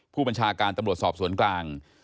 ผู้บัญชาการตำรวจสอบสวนกลาง